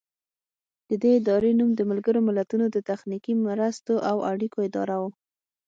د دې ادارې نوم د ملګرو ملتونو د تخنیکي مرستو او اړیکو اداره و.